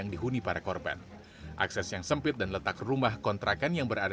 menurut kesaksian warga percikan api saat itu dengan cepat langsung membesar dan melalap empat kamar kontrakan di jatinegara